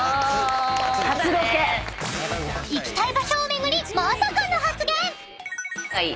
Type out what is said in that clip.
［行きたい場所を巡りまさかの発言！］がいい！